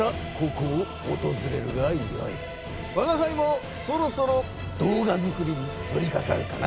わがはいもそろそろ動画作りに取りかかるかな。